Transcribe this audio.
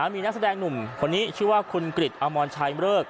มีนักแสดงหนุ่มคนนี้ชื่อว่าคุณกริจอมรชัยเริก